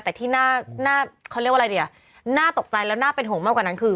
แต่ที่น่าเขาเรียกว่าอะไรดีอ่ะน่าตกใจแล้วน่าเป็นห่วงมากกว่านั้นคือ